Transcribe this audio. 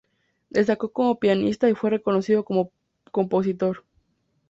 Destacó como pianista y fue reconocido como compositor.